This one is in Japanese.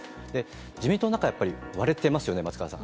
自民党の中、やっぱり割れてますよね、松川さん。